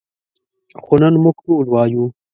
خو نن موږ ټول وایو.